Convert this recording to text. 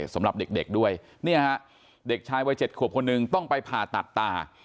สำหรับเด็กด้วยเนี่ยฮะเด็กชายวัย๗ขวบคนหนึ่งต้องไปผ่าตัดตา